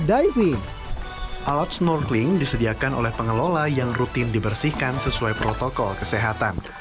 diving alat snorkeling disediakan oleh pengelola yang rutin dibersihkan sesuai protokol kesehatan